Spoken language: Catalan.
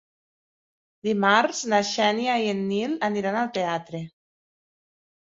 Dimarts na Xènia i en Nil aniran al teatre.